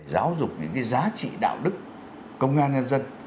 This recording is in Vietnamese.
giáo dục những cái giá trị đạo đức công an dân dân